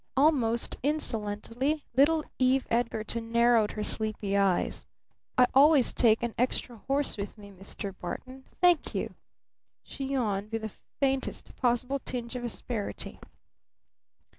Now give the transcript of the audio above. Almost insolently little Eve Edgarton narrowed her sleepy eyes. "I always taken an extra horse with me, Mr. Barton Thank you!" she yawned, with the very faintest possible tinge of asperity.